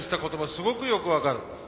すごくよく分かる。